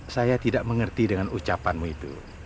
saya tidak mengerti dengan ucapanmu itu